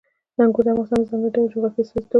انګور د افغانستان د ځانګړي ډول جغرافیې استازیتوب کوي.